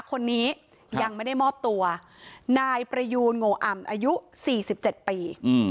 คนนี้ยังไม่ได้มอบตัวนายประยูนโงอำอายุ๔๗ปี